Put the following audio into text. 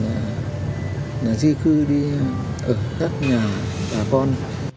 nhà di khư đi ở khác nhà bà con